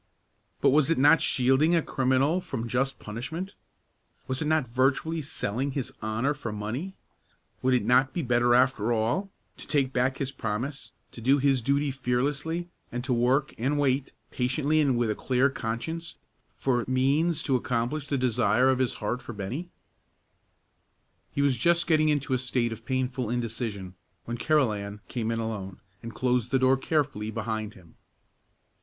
But was it not shielding a criminal from just punishment? Was it not virtually selling his honor for money? Would it not be better, after all, to take back his promise, to do his duty fearlessly, and to work and wait, patiently and with a clear conscience, for means to accomplish the desire of his heart for Bennie? He was just getting into a state of painful indecision when Carolan came in alone, and closed the door carefully behind him.